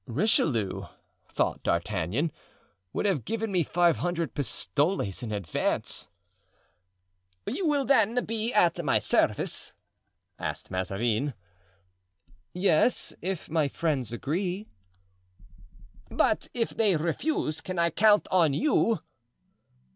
"Richelieu," thought D'Artagnan, "would have given me five hundred pistoles in advance." "You will then be at my service?" asked Mazarin. "Yes, if my friends agree." "But if they refuse can I count on you?"